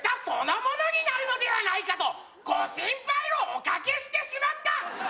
そのものになるのではないかとご心配をおかけしてしまった！